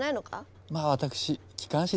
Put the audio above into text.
まあ私機関士ですし。